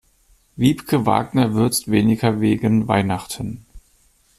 Wiebke Wagner würzt weniger wegen Weihnachten.